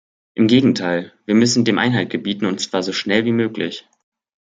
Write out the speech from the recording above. Im Gegenteil wir müssen dem Einhalt gebieten und zwar so schnell wie möglich.